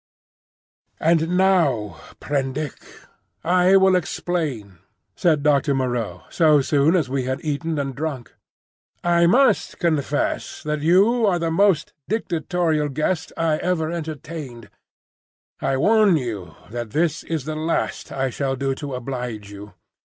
"And now, Prendick, I will explain," said Doctor Moreau, so soon as we had eaten and drunk. "I must confess that you are the most dictatorial guest I ever entertained. I warn you that this is the last I shall do to oblige you.